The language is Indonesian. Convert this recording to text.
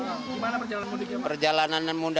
gimana perjalanan mudiknya